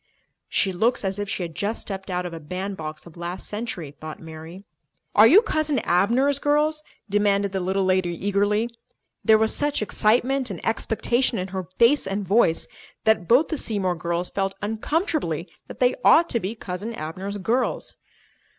She looks as if she had just stepped out of a bandbox of last century, thought Mary. "Are you Cousin Abner's girls?" demanded the little lady eagerly. There was such excitement and expectation in her face and voice that both the Seymour girls felt uncomfortably that they ought to be "Cousin Abner's girls."